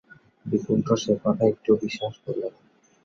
বৈকুণ্ঠ সে কথা একটুও বিশ্বাস করলে না।